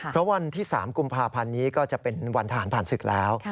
เพราะวันที่๓กุมภาพันธ์นี้ก็จะเป็นวันทหารผ่านศึกแล้ว